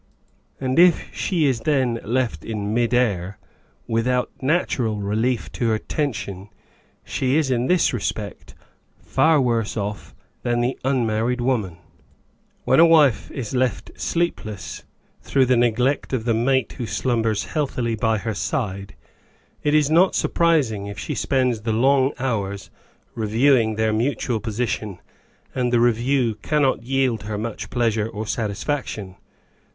And if she is then left in mid air, without natural relief to her tension, she is in this respect far worse off than the unmarried woman. When a wife is left sleepless through the neglect of the mate who slumbers healthily by her side, it is not surprising if she spends the long hours review ing their mutual position; and the review cannot yield her rnuch pleasure or satisfaction.